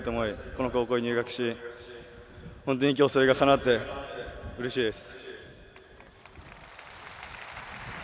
この高校に入学し本当にきょう、それがかなってうれしいです。